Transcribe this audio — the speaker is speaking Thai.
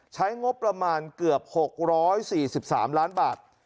ใช้งบประมาณเกือบ๖๔๓ล้านบาท